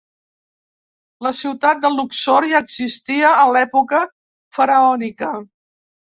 La ciutat de Luxor ja existia a l'època faraònica.